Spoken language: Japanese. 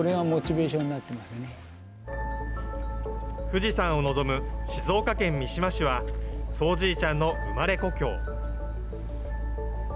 富士山を望む静岡県三島市は、そうじいちゃんの生まれ故郷。